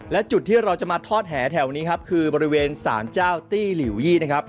และจุดที่เราจะมาทอดแหแถวนี้ครับคือบริเวณสารเจ้าตี้หลิวยี่นะครับ